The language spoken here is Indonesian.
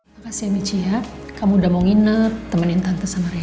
makasih ya michi ya kamu udah mau nginer temenin tante sama reina